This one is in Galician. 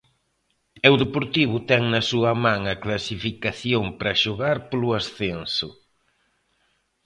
E o Deportivo ten na súa man a clasificación para xogar polo ascenso.